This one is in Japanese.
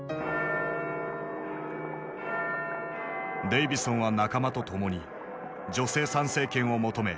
デイヴィソンは仲間と共に女性参政権を求め